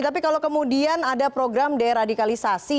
tapi kalau kemudian ada program deradikalisasi